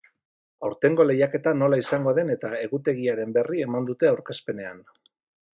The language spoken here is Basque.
Aurtengo lehiaketa nola izango den eta egutegiaren berri eman dute aurkezpenean.